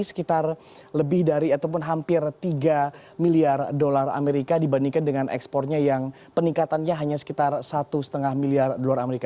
sekitar lebih dari ataupun hampir tiga miliar dolar amerika dibandingkan dengan ekspornya yang peningkatannya hanya sekitar satu lima miliar dolar amerika